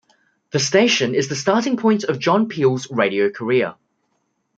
The station is the starting point of John Peel's radio career.